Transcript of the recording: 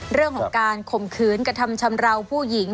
เรื่องของการข่มขืนกระทำชำราวผู้หญิง